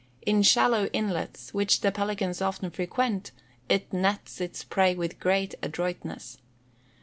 In shallow inlets, which the pelicans often frequent, it nets its prey with great adroitness.